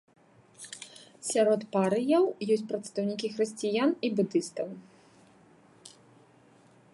Сярод парыяў ёсць прадстаўнікі хрысціян і будыстаў.